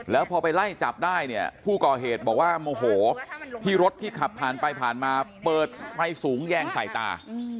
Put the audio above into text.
แล้วพอไปไล่จับได้เนี่ยผู้ก่อเหตุบอกว่าโมโหที่รถที่ขับผ่านไปผ่านมาเปิดไฟสูงแยงใส่ตา